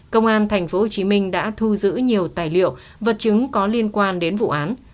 công an tp hcm đã thu giữ nhiều tài liệu vật chứng có liên quan đến vụ án